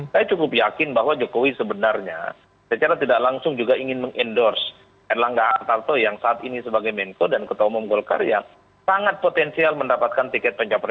saya cukup yakin bahwa jokowi sebenarnya secara tidak langsung juga ingin meng endorse erlangga atarto yang saat ini sebagai menko dan ketua umum golkar yang sangat potensial mendapatkan tiket pencapresnya di dua ribu dua puluh empat